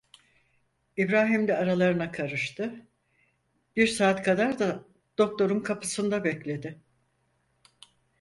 İbrahim de aralarına karıştı, bir saat kadar da doktorun kapısında bekledi.